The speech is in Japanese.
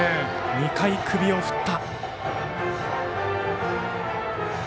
２回首を振った。